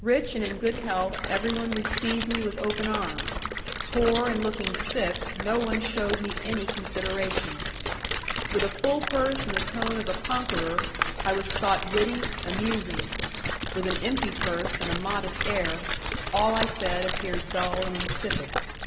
Rich and in good health, everyone received me with open arms; poor and looking sick, no one shewed me any consideration. With a full purse and the tone of a conqueror, I was thought witty, amusing; with an empty purse and a modest air, all I said appeared dull and insipid.